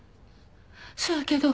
そやけど。